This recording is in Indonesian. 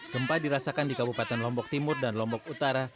gempa dirasakan di kabupaten lombok timur dan lombok utara